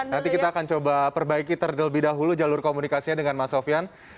nanti kita akan coba perbaiki terlebih dahulu jalur komunikasinya dengan mas sofian